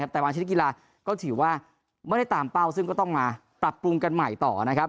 แต่บางชนิดกีฬาก็ถือว่าไม่ได้ตามเป้าซึ่งก็ต้องมาปรับปรุงกันใหม่ต่อนะครับ